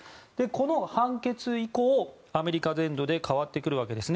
この判決以降、アメリカ全土で変わってくるわけです。